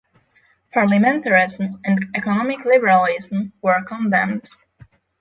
Parliamentarism and economic liberalism were condemned.